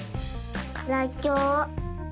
らっきょう。